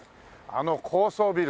あの高層ビル。